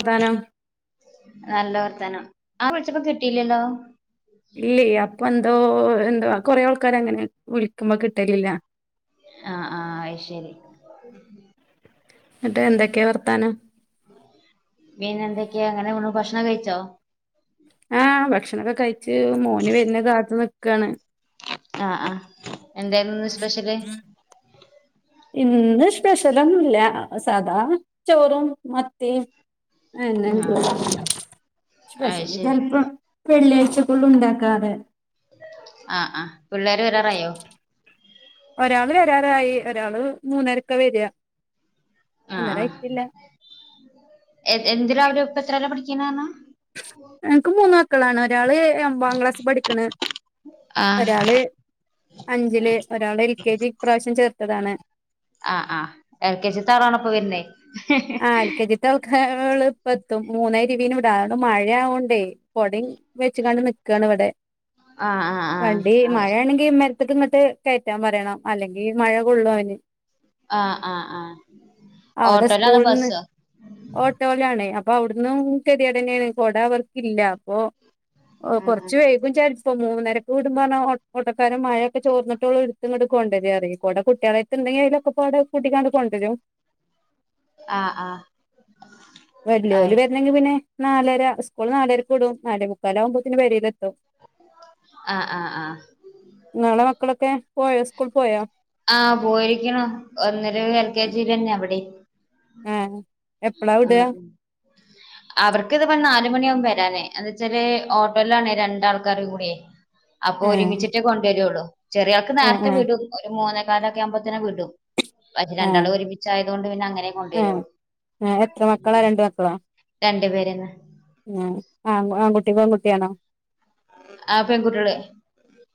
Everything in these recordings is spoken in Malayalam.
ഏതാനും നല്ല വർത്തനം ആ കുച്ചപ്പോ കിട്ടീല്ലല്ലോ? ഇല്ല അപ്പൊ എന്തോ എന്തോ കൊറെ ആൾക്കാര് അങ്ങനെ വിളിക്കുമ്പോ കിട്ടലില്ല. ആഹ് ആഹ് അയ്ശരി. എന്നട്ട് എന്തൊക്കെയാ വർത്താനം പിന്ന എന്തൊക്കെയാ അങ്ങനെ പോണ് ഭക്ഷണം കഴിച്ചോ? ആഹ് ഭക്ഷണൊക്കെ കഴിച്ച് മോന് വരുന്ന കാത്ത്നിക്കാണ്. ആഹ ആഹ എന്തായിരുന്നുന്ന് സ്പെഷ്യല്? ഇന്ന് സ്പെഷ്യലൊന്നുല്ല സാധാ ചോറും മത്തി ആഹ് അത് സ്പെഷ്യലി ശരി ചിലപ്പോ വെള്ളിയാഴ്ചക്കുള്ള ഉണ്ടാക്കാറ്. ആഹ് ആ പിള്ളേര് വരാറിയോ? ഒരാള് വരാറായി ഒരാള് മൂന്നരക്ക വരിക. ആ മൂന്നര ആ ആയിട്ടില്ല എന്തിതിന അവര് ഇപ്പ എത്രല്ല പഠിക്കുന്നാണ് എനക്ക് മൂന്ന മക്കളാണ് ഒരാള് ഒമ്പാം ക്ലാസ് പഠിക്കണ ആഹ് ഒരാള് അഞ്ചില് ഒരാള് എൽ കെ ജി പ്രാവശ്യം ചേർത്തതാണ് ആഹ് ആ എൽ കെച്ചി താളാണപ്പൊ വരുന്നേ ആൽക്കെജിട്ടക്ക ഇപ്പത്തും മൂന്നായി ഇരുവീന ഇട അണ്ട് മഴയാവണ്ടേ പൊട വെച്ച കണ്ട് നക്കാണ് [inaudible] ടെ ആഹ് ആഹ് ആഹ് വണ്ടി അത് ശരി മഴയാണെങ്കിൽ അക്ക ഇങ്ങോട്ട് കയറ്റാൻ പറയണം അല്ലെങ്കിൽ മഴ കൊള്ളും അവന് ആഹ ആഹ് ആഹ ഓട്ടോ സ്കൂള നിന്ന് ഓട്ടോയിലാണ അപ്പൊ അവിടന്നും കെരിയടന കൊട അവർക്കില്ല അപ്പൊ ആഹ് കുറച്ചവേഗം വിചാരിച്ച ഇപ്പൊ മൂന്നരക്ക്െ വിടുമ്പോ പറഞ്ഞാ ഓട്ടക്കാരും മഴൊക്കെ ചോർന്നിട്ടോും എടുത്തുംടുക്ക കൊണ്ടര അറൂടെ കുട്ടികളെ എന്തെങ്ക അതിലക്കെ അവി കൂട്ടിക്കാണ്ട് കൊണ്ടുവരും ആഹ ആഹ വെല്ലുോളി വരണെങ്കിൽ പിന്നെ നാലര സ്കൂൾിൽ നാലര കൂടും നാലേ മുക്കാലാവകുമ്പോത്തെ വരയിലെത്തും ആഹ് ആഹ് ആഹ് നാളെ മക്കളൊക്കെ പോയോ സ്കൂൾ പോയോ ആഹ പോയിരിക്കണോ ഒന്നര കൽക്കാച്ചരി തന്നെ അവിടെ ആഹ് എപ്പളാ ഉ വിട അവർക്ക് ഇത് പറഞ്ഞാലും അണ്ട മണിയാകുമ്പോ വരാനേ എ വെച്ചാല് ഓട്ടോയിലാണ്േ രണ്ടാൾക്കാർ കൂയേ അപ്പൊ ആഹ് ഒരുമിച്ചിട്ടേ കൊണ്ടുവരുള്ളൂ ചെറിയൾക്ക് ആഹ് നേരത്തെ ആഹ് വീട മൂന്നേക്കാലൊക്കെ ആമ്പത്തനെ വിടും. പക്ഷെ ആഹ് രണ്ടാളും ഒരുമിച്ചയത കൊണ്ട് പിന്നെ അങ്ങനെ കൊണ്ടുവരു... ആഹ് ആഹ് എത്ര മക്കളാ രണ്ട പേരന്ന്. ഉ ആ ആൺകുട്ടി പെൺകുട്ടിയാണോ? ആ പെൺകുട്ടികളെ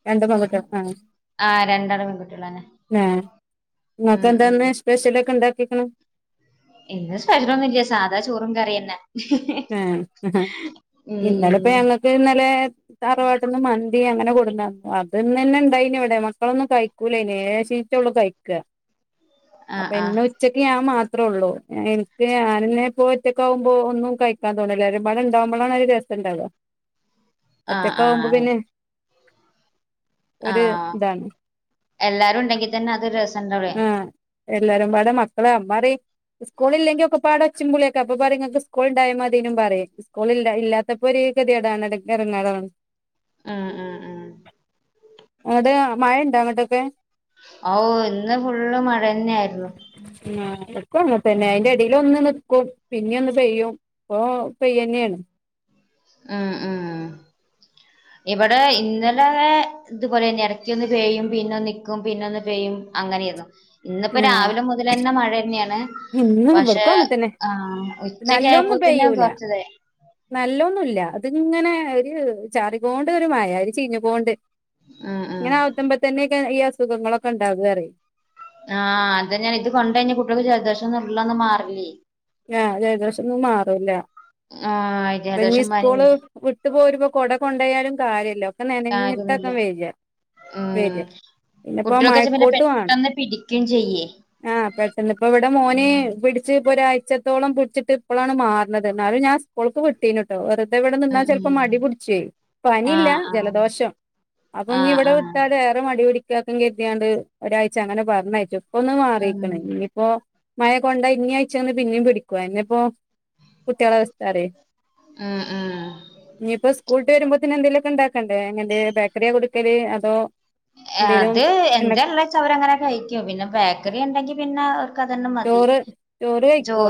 രണ്ട് പവൻ മറ്റും തന്നെ? രണ്ടാളും പെൺകുട്ടികളന്നെ ഇന്നത്തെ ഉം ഉം എന്താന്ന് സ്പെഷ്യൽ ഒക്കെ ഉണ്ടാക്കിക്കുന്നെ ഇന്നു സ്പെഷ്യൽ ഒന്നുല്ല സാദാ ചോറും കറീം തന്നെ ആ ഉം ഉം ഇന്നലെ ഞങ്ങക്ക് ഇന്നലെ തറവാട്ടീന്ന് മന്തി അങ്ങനെ കൊണ്ടുവന്നു അതു തന്നെ ഉണ്ടായിരുന്നുള്ളൂ ഇന്നിവിടെ മക്കളൊന്നും കഴിക്കൂല്ല ഇങ്ങനെയുള്ളയെ കഴിക്കുക ആഹ് അപ്പൊ ആഹ് ഇന്ന് ഉച്ചക്ക് ഞാൻ മാത്ര അത്രേ ഉള്ളൂ എനിക്ക് ഞാൻ തന്നെ ഇപ്പോൾ ഒറ്റക്കാകുമ്പോ ഒന്നും കഴി ക്കാൻ തോന്നില്ല ഒരുപാട് ഉണ്ടാവുമ്പോഴാണ് രസം ഉണ്ടാവുക ആഹ് ഒറ്റക്ക് ആവുമ്പോ പിന്നെ ഒരു ഇതാണ് ആ--എല്ലാരും ഉണ്ടെങ്കിൽ തന്നെ അത് ഒരു രസം ഉണ്ടാവും ആഹ് എല്ലാരും കൂടെ മക്കളും, ഉമ്മ പറയും സ്കൂൾ ഇല്ലെങ്കിൽ ഒക്കെയും കൂടെ ഒച്ചയും ബഹളവും ഒക്കെ അപ്പൊ പറയും നിങ്ങൾക്ക് സ്കൂൾ ഉണ്ടായ മതി പറയും സ്കൂളില്ലാത്തപ്പോ ഒരു ഗതിടാണ് ഇറങ്ങേറാണ് ആ ആ ആ അവിടെ മഴയുണ്ടോ അവിടോട്ടൊക്കെ ഓ ഇന്ന് ഫുള്ള് മഴ തന്നെ ആയിരുന്നു ആ എനിക്കുമങ്ങനെ തന്നെ അതിന്റെ ഇടയിൽ ഒന്നു ക്കും പിന്നെയും ഒന്ന് പെയ്യും ഓ പെയ്യുക തന്നെയാണ് ആ ആ ഇവിടെ ഇന്നലെ ഇതുപോലെ തന്നെ ഇടക്കൊന്ന് പെയും പിന്നെ നിക്കും പിന്നൊന്ന് പെയ്യും അങ്ങനെയായി രുന്നു ഇന്നിപ്പോ ആഹ് രാവിലെ മുതൽ തന്നെ മഴ തന്നെയാണ് ഇന്നും പക്ഷെ ഇവട്ക്കും അങ്ങൻതന്നെ ഉച്ചയൊക്കെ ആയപ്പോ തന്നെ കുറചൊഴിഞ്ഞു നല്ലതൊന്നുമല്ല അതിങ്ങനെ ഒരു ചാറി പോകണ്ട് ഒരു മായ ഒരു ചീഞ്ഞു പോകണ്ട് [unintelligible] ഉം ഉം ഇങ്ങനെ ആവുമ്പോൾ തന്നെ ഇങ്ങനൊക്കെ ഈ അസുഖങ്ങളൊക്കെ ഉണ്ടാവുക പറയും ആഹ് അത് തന്നെ ഇത് കൊണ്ട് കഴിഞ്ഞാൽ കുട്ടികൾക്ക് ജലദോഷം ഒന്നും ഉള്ളത് തന്നെ മാറില്ല ആ--ജലദോഷം ഒന്നും മാറില്ല ആഹ് അപ്പോൾ നീ ജലദോഷം പനിം സ്കൂള് വിട്ട് വരുമ്പോ കുട കൊണ്ടപോയാലും കാര്യമില്ല ഒക്കെ നനഞ്ഞിട്ടൊക്കെയാണ് വരുക ആ കുട്ടികൾക്കൊക്കെ പിന്നെ പെട്ടെന്ന് പിടിക്കുകയും ചെയ്യും ആ പെട്ടെന്ന് ഇപ്പോൾ ഇവിടെ മോന് പിടിച്ചു ഒരാഴ്ചയായി ഒരാഴ്ചത്തോളം പിടിച്ചിട്ട് പിന്നെ ഇപ്പോഴാണ് മാറുന്നത് എന്നാലും ഞാൻ സ്കൂളിലേക്ക് വിട്ടിരുന്നു ഇതിവിടെ ഉം നിന്നാൽ ചിലപ്പോൾ ഉം മടി പിടിക്കും, പനി അല്ല ആഹ് ആഹ് ജലദോഷം അപ്പോ ഇനി ആഹ് ഇവിടെ ആഹ് വിട്ടാൽ വേറെ മടി പിടിക്കും ഒരാഴ്ച അങ്ങനെ പറഞ്ഞയച്ചു ഇപ്പോൾ ഇച്ചിരി ഉം മാറിയിരിക്കുന്നു ഇനിയിപ്പോ [unintelligible] മഴകൊണ്ട് ഇനി ആഴ്ച ഇനിയും പിടിക്കും കുട്ടികളുടെ അവസ്ഥ അറിയുമോ ഉം ഉം ഇനിയിപ്പോ സ്കൂൾ ഇവര് വരുമ്പോൾ തന്നെ എന്തെങ്കിലുമൊക്കെ ഉണ്ടാക്കണ്ടേ എങ്ങനാ ബേക്കറി കൊടുക്കൽ അതോ എന്തേലും അത് എണ്ണ എന്താ ഉള്ളതെന്ന് വെച്ചാൽ അവർ അങ്ങനെ തന്നെ കഴിക്കും പിന്നെ ബാക്കി അവർക്ക് അങ്ങനെ തന്നെ മതി ചോറ് ചോറ് കഴിക്കുവോ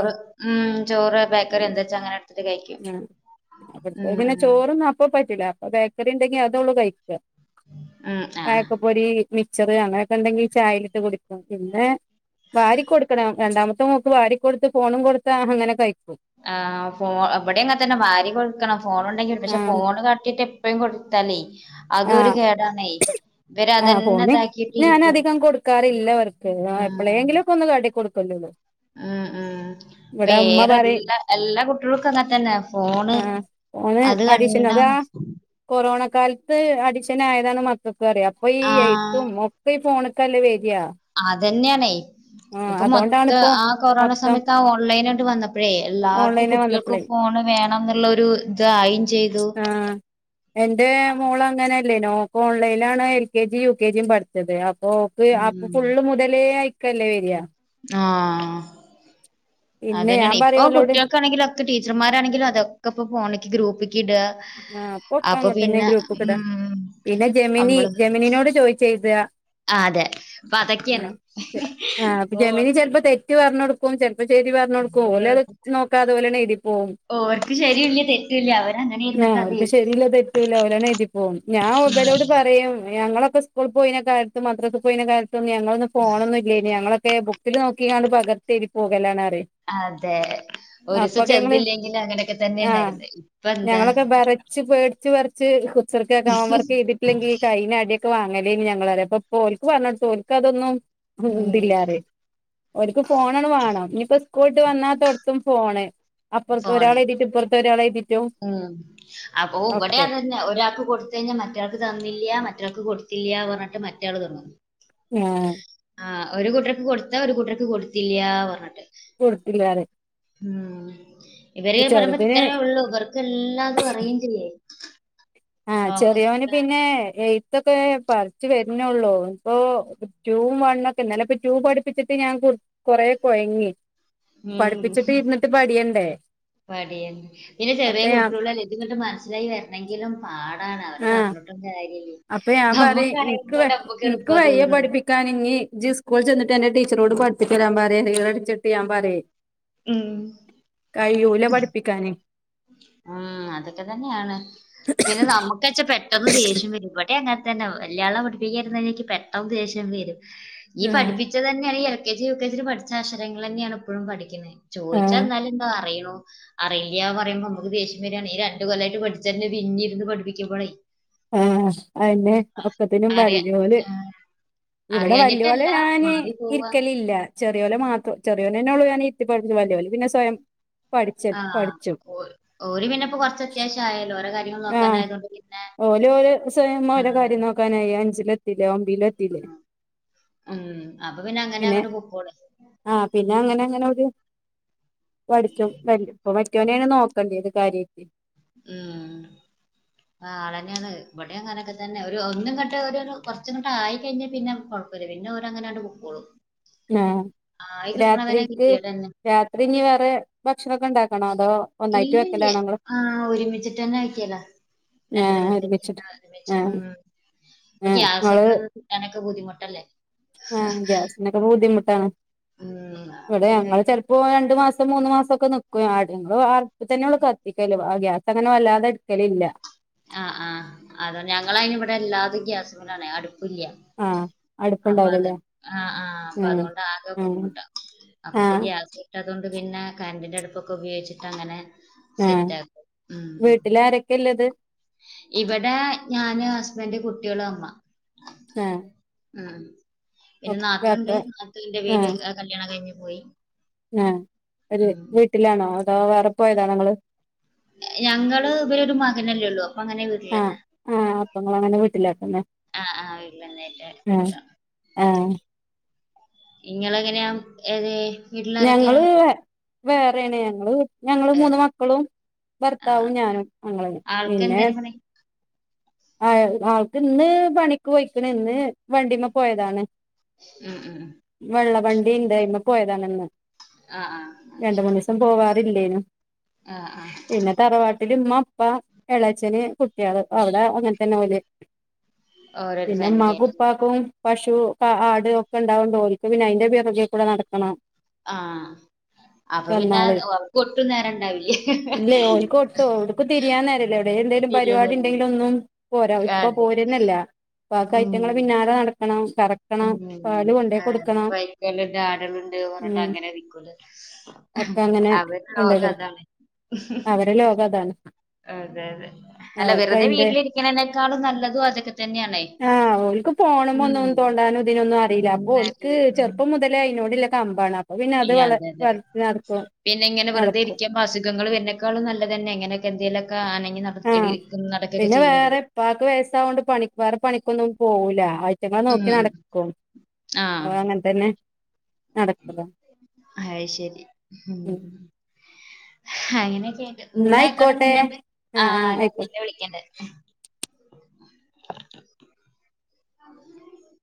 ചോറ് ബേക്കറി ഉം എന്താന്ന് വെച്ചാൽ പിന്നെ ഉം ചോറൊന്നും അപ്പോൾ പറ്റൂല്ല അപ്പോൾ ബേക്കറി ഉണ്ടെങ്കിൽ അവൾ അത് കഴിക്കും ഉം ആ ആഹ് ഇപ്പൊ പൊരി, മിച്ചർ അങ്ങനെയൊക്കെ ഉണ്ടെങ്കിൽ ചായയിൽ ഇട്ടു കുടിക്കും പിന്നെ വാരി കൊടുക്കണം രണ്ടാമത്തെ മോൾക്ക് വാരിക്കൊടുത്ത് ഫോണും കൊടുത്താൽ അങ്ങനെ കഴിക്കും ആ ഇവിടെയും അങ്ങനെ തന്നെ വാരി കൊടുക്കണം ഫോൺ ഉണ്ടെങ്കിൽ, പക്ഷേ ആഹ് ഫോൺ കാട്ടിയിട്ട് എപ്പോഴും എപ്പോഴും കൊടുത്താലേ അത് ഒരു കേടാണ് ആ ഫോണ് ഞാൻ അധികം കൊടുക്കാറില്ല അവർക്ക് എപ്പോഴെങ്കിലും ഒക്കെ ഒന്ന് കാട്ടിക്കൊടുക്കും ആ ആ ഇവിടെ ഉമ്മ വേറെ, പറയും വേറെ എല്ലാ കുട്ടികൾക്കും അങ്ങനെ തന്നെ, ഫോണ് ആഹ് ഫോണ് അത് കണ്ട് അഡിഷൻ എടാ അതാ കൊറോണ കാലത്ത് അടിക്ഷനായതാണ് മക്കൾക്ക് അറിയാം അപ്പൊ ഈ ആഹ് എഴുത്തും ഒക്കെ ഈ ഫോണി [unintelligible] ന്നിട്ട് വല്ലതും എഴുതിയ [inaudible] അതുതന്നെയാണെ ഇപ്പൊ മൊത്തം ആ കൊറോണ മൊത്തം സമയത്ത് ആ ഓൺലൈന ആായിട്ട് വന്നപ്പോഴേ എല്ലാർക്കും ഓൺലൈന് കുട്ടികൾക്കും വന്നപ്പളേ ഫ ഫോണ് വേണം എന്നുള്ള ഇതായി ആഹ എന്റെ മോള അങ്ങനെ ല്ല നോക്ക് ഓൺലൈനണ് L K G U K ജിയും പഠിച്ചത് അപ്പൊക്ക് അ ഉം ഫുള്ള് മുതലേ കല്ല വരിയാ ആ അത് പിന്നെ തന്നെയാണ് ഞാൻ ഇപ്പൊ പറയും ഓളോട് കുട്ടികൾക്കാണെങ്കിലും ഒക്കെ ടീച്ചർമാരാണെങ്കിലും അതൊക്കെ ഇപ്പോൊ ഫോണക്ക് ഗ്രൂപ്പ്ക്ക് ഇടുക ആഹ പൊക്ക അപ്പൊ അങ്ങെ തന്നെ പിന്നെ ഗ്രൂപ്പക്ക ഇടാ ഉം പിന്നെ ജെമിനി നമ്മള് ജെമിനിനോട് ചോയി ചെയ്ത ആ ആഹ് അതെ അപ്പൊ അതൊക്കെയാണ് ആ അപ്പൊ ജമീന് ഓ ചെിലപ്പോ തെറ്റ് പറഞ്ഞ കൊടുക്ക അപ്പ ശരി പറഞ്ഞ കൊടുക്കോ അല്ലെ അതത് നോക്കാ അതുപോലെന്നെ എഴരി പോകവും ഓർക്ക് ശരിയല്ല തെറ്റല്ല അവർ അങ്ങനൊയിുന്ന ആ അവർക്ക് ശരില്ല തെറ്റൂില്ല ഓലാണ് എഴതി പോകും ഞാൻ മൊബൈലോട് പറയും ഞങ്ങളൊപ്പെ സ്കൂൾ പോയി കാലത്ത് മത്രത്തി പോയി കാലത്തൊന്നും ഞങ്ങളൊന്ന ഫോണൊന്നുമല്ല ഞങ്ങള െ ബുക്കിൽ നോക്കിാ പകർത്തെേരി പോകലാണ് പറയും അതെ ഒരു ദസം അപ്പൊക്കെ ഞങ്ങള് ചെതില്ലെങ്കിലും അങ്ങനൊക്കെ തന്നെ ഉണ്ടായിരുന്ന ഇപ്പ എന്താ വറിച്ച് പേടിച്ച് വറിച്ച് കൊച്ചറക്ക കാം വർക്ക് ചെയ്തിട്ടില്ലെങ്കിൽഈ കൈയി അടെ വാങ്ങലേ ഞങ്ങ വ അപ്പൊ പോഓക്കക്ക് പറഞ്ഞട്ട്ോൽക്ക് അതൊന്നും ഉം ഇതില്ലാറേ ഒക്ക് ഫോണണ് വേണം ഇനിയിപ്പോ സ്കൂളട്ട് വന്നാത്തോടത്തും ഫോണ് അപ്പുറത്തെ ഫോണ് ഒരാൾ എഴുതിട്ട് ഇപ്പുറത്തെ ഒരാളെ എുതിട്ട് ഉം അപ്പൊ ഇവിടെയാ തന്നെ ഒരാൾക്ക് കൊടുത്ത കഴിഞ്ഞാൽ മറ്റൊരാൾക്ക് തന്നില്ല റ്റാൾക്ക് കൊട്ത്തില്ല്യ പർഞ്ഞിട്ട് മറ്റാള് തിന്നു ആ ആ ഒര് കൂട്ടർക്ക് കൊടുത്താ ഒരു കൂട്ടർക്ക് കൊടുത്തില്ല്യാ പർഞ്ഞിട്ട് കൊട്ത്തില്ലാറിം ഉം ഇവര് പറയ്മ്പ ഇത്രേ ഒള്ളു ഇവർക്ക് എല്ലാതും അറിയും ചെയ്യേ ആ ലോക്ക് ചെറിയോന് പിന്നെ എ തൊക്കെ പടിച്ച് വര്ണൊള്ളൂ ഇപ്പൊ റ്റൂവും വണ്ണൊക്കെ ന്നാലെപ്പാെ റ്റൂ പഠിപ്പിച്ചിട്ട് ഞാ കൊറേ കൊഴങ്ങി പഠിപ്പിച്ചിട്ട് ഇര്ന്നിട്ട് പടിയണ്ടേ പടിയ പിന്നെ ചെറിയ ഞാൻ കുട്ട്യോൾടെ [unintelligible] മനസ്സിലായി വ ര്ണെങ്കിലും പാടാണ് അവരെ ആഹ് പർഞ്ഞിട്ടും കാര്യല്ലേ അപ്പൊ ഞാൻ പറിം നമ്മക്ക് ൻക്ക് അറിയുന്നോണ്ട് നമ്മക്ക് ൻക്ക് എളുപ്പാ വെയ്യെ തോന്നണത് പഠിപ്പിക്കാന് ഇഞ്ഞി ജ് സ്കൂള് ചെന്നിട്ട് അന്റെ ടി ടീച്ചറോട് പഠ്പ്പിച്ചരാ പറേ ടീച്ചറെട്ച്ച്ട്ട് ഞാൻ പറ്യേ ഉം കഴിയൂല പഠിപ്പിക്കാന് ആ അതൊക്കെ തന്നെയാണ് പിന്നെ നമുക്ക്ച്ചാ പെട്ടെന്ന് ദേശ്യം വരും പെ അങ്ങൻതന്നെ വല്ലാതെ പഠിപ്പിക്കാര്ന്ന എനിക്ക് പെട്ടെന്ന് ദേശ്യം വരും ഈ ആഹ് പഠിപ്പിച്ചത് തന്നെയാ ഇ കെജി യുകെജി പഠിച്ച അക്ഷരങ്ങളെന്നെയാണ് ഇപ്പഴും പഠിക്ക്ന്നെ ചോയ്ച്ചാ ആഹ് എന്നാലെന്താ അറിയോ അറിയില്ല പറയുമ്പം നമുക്ക് ദേഷ്യം വരാണേ ഈ രണ്ടു കൊല്ലായിട്ട് പഠിച്ചന്നെ പിന്നി ഇര്ന്ന് പഠിപ്പിക്കുമ്പഴേ ആ അതന്നെ ഒക്കത്തിനും [unintelligible] അറിയ ഞ്ഞാേല് ആ ഇവടെ വല്ല്യാേനെ അറിയാഞ്ഞിട്ടല്ല ഞാന് മാറി പോവുക ഇര്ക്കല് ല്ല ചെറ്യാേലെ മാത്രം ചെറിയോനന്നെ ഉള്ളൂ ഞാന് ഇര്ത്തി പടിപ്പ്ച്ച്ണെ വല്ല്യാേല് പിന്നെ സ്വയം പഠിച്ച ആ പഠിച്ചു ഒ ഓല് പിന്നെപ്പോ കൊർച്ചത്യാവശ ആയാല്ലോ ഓലെ കാ ആ ഓല് ഓല് സ്വയം ആ, ഓരോ കാര്യം നോക്കാനായി അഞ്ചിലെത്തീലെ ഓൻ വിലെത്തിലെ ഉം, ഉം, അപ്പൊ അങ്ങനെ പിന്നെ അങ്ങോട്ട് പൊക്കോള് ആ പിന്നെ അങ്ങനെ അങ്ങനെ ഒരു പഠിച്ചും തല്ലും പ്പൊ മറ്റാേനേണ് നോക്കണ്ട്യേത് കാര്യായിട്ട് ഉം ആ അങ്ങന്നെയാണ് ഇബടെ അങ്ങാനൊക്കെ തന്നെ ഒര് ഒന്ന്ങ്ങട്ട് ഒര് ഒര് കൊർച്ച്ങ്ങട്ടായി കഴിഞ്ഞ പിന്നെ ഞ കൊഴപ്പല്ല പിന്നെ ഓലങ്ങനാണ്ട് പോക്കോളും ആ രാത്രിക്ക് കിട്ടിയത് തന്നെ രാത്രി ഇഞ്ഞ് വേറെ ഭക്ഷണൊക്കെണ്ടാക്കണോ ഇല്ലല്ല ആ ഒരുമിച്ചിട്ട്ന്നെ ആക്കിയത ആ ഒരുമിച്ചിട്ട് ആ ഗ്യാസൊക്കെ കിട്ടാനൊക്കെ ബുദ്ധിമുട്ടല്ലേ ആഹ് ഗ്യാസിനൊക്കെ ബുദ്ധിമുട്ടാണ് ഉം അപ്പൊ ബടെ പിന്നെ ഞങ്ങള് ചെൽപ്പോ ണ്ട് മാസം മൂന്ന് മാസം ഒക്കെ നിക്കും ആ ഞങ്ങള് അട്പ്പ് തന്നെള്ളു കത്തിക്കല് ഗ്യാസ് അങ്ങനെ വല്ലാതെ എടുക്കലില്ല ആ ആ അത ഞങ്ങളയ്ന് ഇവിടെ എല്ലാതും ഗ്യാസ്മലാണെ അടു പുതിയ ആഹ് അപ്പൊ അത് അടുപ്പുണ്ടാവലല്ലേ ആ ആ അപ്പൊ ഉം അത്കൊണ്ട് ആകെ ഉം ബുദ്ധിമുട്ടാ അപ്പൊപ്പൊ ആഹ് ഗ്യാസ് കിട്ടാൻ അതുകൊണ്ട് പിന്നെ കരന്റിൻ്റെ അടുപ്പൊക്കെ ഉപയോഗിച്ചിട്ടങ്ങനെ ആ വീട്ടിലാരെക്കെള്ളത് ഇവിടെ ഞാന് ഹസ്ബന്റ് കുട്ട്യേള് അമ്മ ആ ഉം പിന്നെ നാത്തൂൻണ്ട് നാത്തൂന്റെ വീട് കല്യാണം കയ്ഞ്ഞ് പോയി ആ ഒര് ഉം വീട്ടിലാണോ അതോ വേറെ പോയതാണോങ്ങള് ഞങ്ങള് ഇവരാെരു മകനല്ലേള്ളു അപ്പൊ അങ്ങനെ വീട്ടിലെന്നെ വീട്ടില്ക്കന്നെ നിക്കാം അ ആ ഇങ്ങളെങ്ങനെയാ ഏതെ ഞങ്ങള് വേറേണ് ഞങ്ങള് ഞങ്ങള് മൂന്ന് വേറെ മക്കളും ഭർത്താവും ആഹ് ഞാനും ഞങ്ങളെന്നെ ആൾക്ക് പിന്നെ എന്തേനു പണി ആ ആൾക്ക് ഇന്ന് പണിക്ക് പോയിക്ക്ണ് ഇന്ന് വണ്ടിമ്മ പോയതാണ് ഉം ഉം വണ്ടിണ്ടായിന്ന് പോയതാണ് ഇന്ന് ആഹ ആഹ് പിള്ളേരും ആഹ് ആഹ് പിന്നെ തറവാട്ടില് ഉമ്മ ഇപ്പ എളാച്ചന് കുട്ടികള് അവിടെ അങ്ങനെ തന്നെ പോല ഓരോരു പിന്നെ ഫാമിലി അമ്മക്ക് ആയിട്ട് ഉപ്പക്കും പശു ആട് ഒക്കെ ഉണ്ടാവുണ്ട്. ഓര്ക്ക് പിന്നെ അതിന്റെ പിറകേകൂടെ നടക്കണം. ആഹ അപ്പൊ പിന്നെ ചെന്നാല് അവർക്കൊട്ടും നേരണ്ടാവില്യ ഇല്ലേ എന്തെലു പരിപാടി ഉണ്ടെങ്കിലൊന്നും പോരാ. ഇപ്പ അതെ പോരുന്നില്ല. അപ്പൊ അയറ്റങ്ങള് പിന്നാലെ നടക്കണം. കറക്കണം മ്മ്. പാല് കൊണ്ടോയി ആ കൊടുക്കണം പൈക്കള് ആടകളുണ്ട് ഒര് പറഞ്ഞിട്ട് അങ്ങനെ നിക്കുന്നു മൊത്തം അങ്ങനെ കൊണ്ടുകൊടുക്കും. അവര്ടെ ലോകം അതാണ്. അതെ അതെ. അല്ല വെറുതെ വീട്ടിലിരിക്കണനെ ആഹ. ഓൽക്ക് പോണമെ ഉം ഒന്നും തോണ്ടാനും ഇതിനൊന്നും അറിയില്ല. ഉം അപ്പൊ ഓൽക്ക് നാട്ടില് ഉം ചെറുപ്പം മുതല് അയിനോടള്ളൊ കമ്പാണ് അപ്പൊ പിന്നെ അത് വള അതെ അന്നെ. വളർത്തി നടക്കും പിന്നെ ഇങ്ങനെ വെറുതെ നടക്കും ഇരിക്കാമ്പം അസുഖങ്ങള് വരിനെക്കാളും നല്ലതന്നെ ഇങ്ങനെ ആഹ നടക്കൊക്കെ പിന്നെ വേറെ. ചെയ്യുമ്പഴേ. ഇപ്പക്ക് വയസവോണ്ട് പണി വേറെ പണി ഒന്നും പോവൂല. ആയ്റ്റങ്ങളെ ഉം നോക്കി ഉം. നടക്കും. അത് അങ്ങനെന്നെ അയ് ശരി. ഉം അങ്ങനെ ഇന്നാ ഇക്കാടെ [unintelligible] ഞാൻ ആഹ് ആഹ് അയ്ക്കോ പിന്നെ വിളിക്കണ്ണ്ട് [unintelligible]